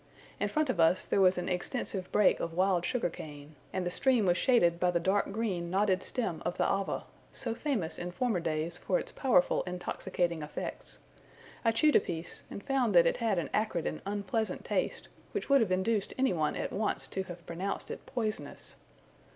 In front of us there was an extensive brake of wild sugar cane; and the stream was shaded by the dark green knotted stem of the Ava, so famous in former days for its powerful intoxicating effects. I chewed a piece, and found that it had an acrid and unpleasant taste, which would have induced any one at once to have pronounced it poisonous.